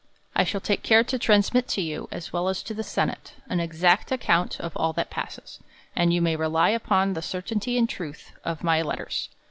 I shall take care to trai.smit to you, as well as to the senate, an exact account of all that passes; and you may rely upon the certainty and truth of my let ters.